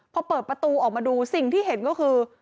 พอเปิดประตูออกมาดูสิ่งที่เห็นก็คือ